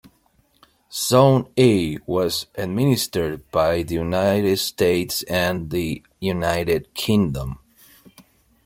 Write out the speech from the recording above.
Zone A was administered by the United States and the United Kingdom.